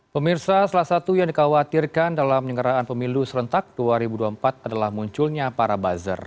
pemirsa salah satu yang dikhawatirkan dalam menyengkeraan pemilu serentak dua ribu dua puluh empat adalah munculnya para buzzer